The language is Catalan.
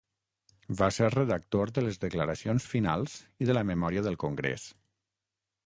Va ser redactor de les declaracions finals i de la memòria del congrés.